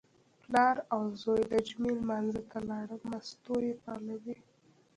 پلار او زوی د جمعې لمانځه ته لاړل، مستو یې پالوې.